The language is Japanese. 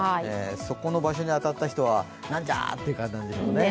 そこの場所に当たった人は何だ？って感じでしょうね。